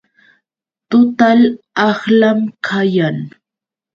Total aqlam kayan.